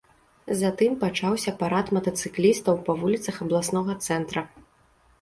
Затым пачаўся парад матацыклістаў па вуліцах абласнога цэнтра.